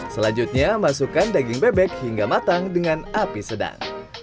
selanjutnya masukkan daging bebek hingga matang dengan api sedang